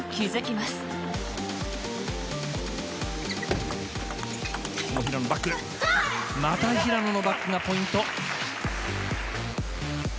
また平野のバックがポイント。